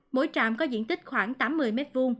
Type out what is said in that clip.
mỗi trạm có diện tích khoảng tám mươi m hai